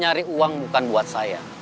nyari uang bukan buat saya